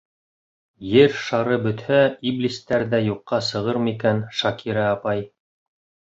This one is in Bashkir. — Ер шары бөтһә иблистәр ҙә юҡҡа сығырмы икән, Шакира апай?